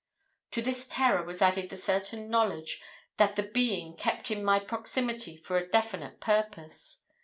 "To this terror was added the certain knowledge that the 'being' kept in my proximity for a definite purpose.